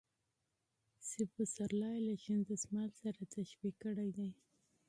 چې پسرلى يې له شين دسمال سره تشبيه کړى دى .